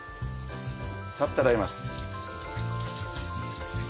さっと洗います。